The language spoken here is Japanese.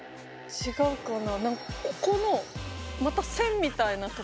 違うかな？